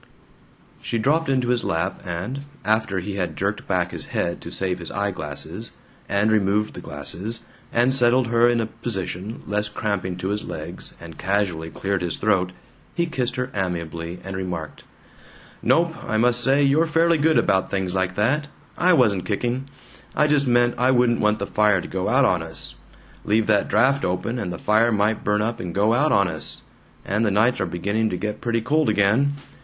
She dropped into his lap and (after he had jerked back his head to save his eye glasses, and removed the glasses, and settled her in a position less cramping to his legs, and casually cleared his throat) he kissed her amiably, and remarked: "Nope, I must say you're fairly good about things like that. I wasn't kicking. I just meant I wouldn't want the fire to go out on us. Leave that draft open and the fire might burn up and go out on us. And the nights are beginning to get pretty cold again.